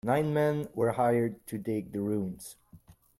Nine men were hired to dig the ruins.